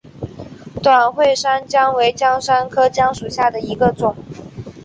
短穗山姜为姜科山姜属下的一个种。